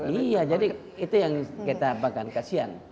iya jadi itu yang kita bahkan kasian